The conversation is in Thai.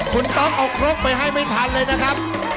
คุณต้องเอาครกไปให้ไม่ทันเลยนะครับ